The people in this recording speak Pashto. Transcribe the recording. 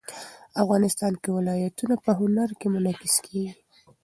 افغانستان کې ولایتونه په هنر کې منعکس کېږي.